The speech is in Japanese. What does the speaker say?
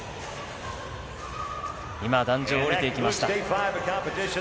今、壇上を降りていきました。